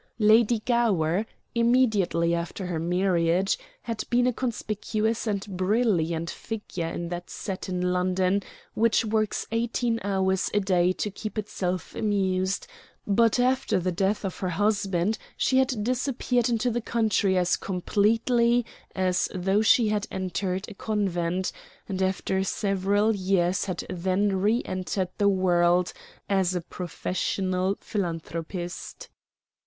Lady Gower, immediately after her marriage, had been a conspicuous and brilliant figure in that set in London which works eighteen hours a day to keep itself amused, but after the death of her husband she had disappeared into the country as completely as though she had entered a convent, and after several years had then re entered the world as a professional philanthropist.